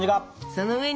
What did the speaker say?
その上に。